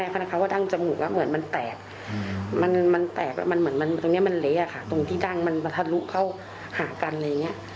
ฟังป้าหน่อย